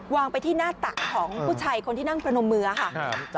ไปที่หน้าตักของผู้ชายคนที่นั่งประนมมือค่ะ